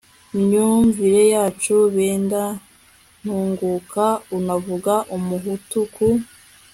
myumvire yacu bendantunguka unavuga umuhutu ku